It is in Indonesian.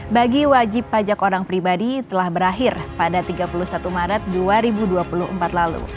bagi wajib pajak orang pribadi telah berakhir pada tiga puluh satu maret dua ribu dua puluh empat lalu